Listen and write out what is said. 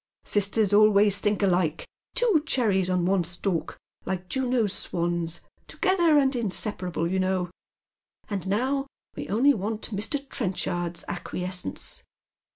Sisters always think alike — two cherries on one stalk, like Juno's swans, together and inseparable, you know ; and now we only want Mr. Trenchard's acquiescence."